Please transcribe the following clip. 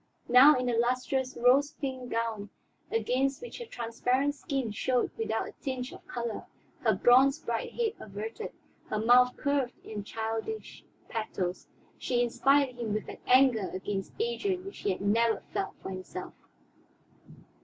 Now, in the lustrous rose pink gown against which her transparent skin showed without a tinge of color, her bronze bright head averted, her mouth curved in childish pathos, she inspired him with an anger against Adrian which he had never felt for himself.